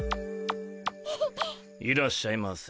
いらっしゃいませ。